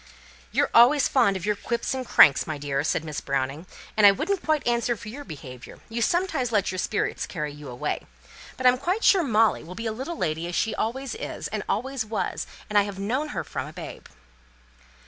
"You're always fond of your quips and your cranks, my dear," said Miss Browning, "and I wouldn't quite answer for your behaviour: you sometimes let your spirits carry you away. But I'm quite sure Molly will be a little lady as she always is, and always was, and I have known her from a babe."